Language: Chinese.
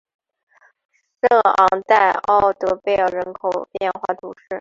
圣昂代奥德贝尔人口变化图示